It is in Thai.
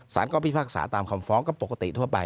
สารก็พิพากษาตามคำฟ้องก็ปกติทั่วไป